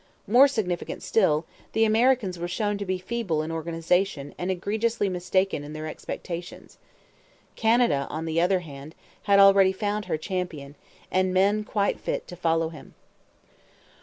More significant still, the Americans were shown to be feeble in organization and egregiously mistaken in their expectations. Canada, on the other hand, had already found her champion and men quite fit to follow him.